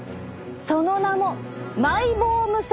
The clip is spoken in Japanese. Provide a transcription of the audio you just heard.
その名もマイボーム腺！